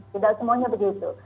tidak semuanya begitu